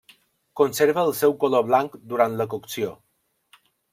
Conserva el seu color blanc durant la cocció.